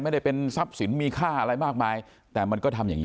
ไม่ได้เป็นทรัพย์สินมีค่าอะไรมากมายแต่มันก็ทำอย่างงี